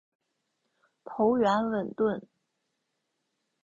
头圆吻钝。